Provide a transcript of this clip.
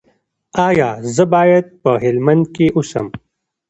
ایا زه باید په هلمند کې اوسم؟